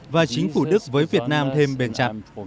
và chính phủ đức với việt nam thêm bền chặt